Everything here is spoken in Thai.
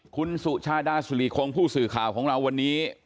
คุณสุชาดาสุริคงผู้สื่อข่าวของเราวันนี้